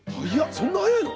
そんな早いの？